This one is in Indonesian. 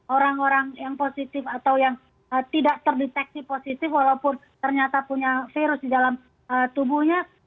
orang orang yang positif atau yang tidak terdeteksi positif walaupun ternyata punya virus di dalam tubuhnya